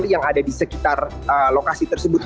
yang ada di sekitar lokasi tersebut